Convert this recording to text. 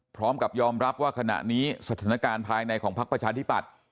พร้อมกับยอมรับว่าขณะนี้สถานการณ์ภายในของพักประชาธิปัตย์